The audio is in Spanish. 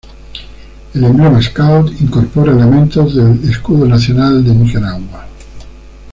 El emblema Scout incorpora elementos del Escudo nacional de Nicaragua.